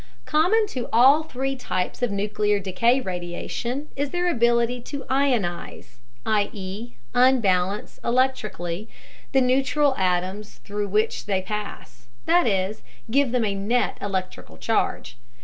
Common to all three types of nuclear decay radiation is their ability to ionize (i.e., unbalance electrically) the neutral atoms through which they pass, that is, give them a net electrical charge.